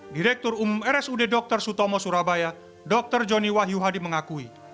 direktur umum rsud dr sutomo surabaya dr joni wahyu hadi mengakui